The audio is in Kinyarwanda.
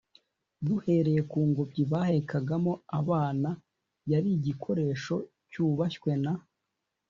duhereye ku ngobyi bahekagamo abana, yari igikoresho cyubashywe na